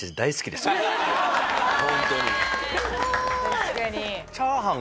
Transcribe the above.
確かに。